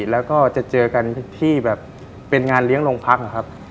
แล้วก็จะเจอกันที่แบบเป็นงานเลี้ยงโรงพักนะครับ